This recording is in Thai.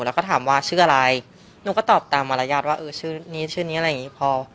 แล้วก็ถามว่าชื่ออะไรหนูก็ตอบตามมารยาทว่าเออชื่อนี้ชื่อนี้อะไรอย่างนี้พอ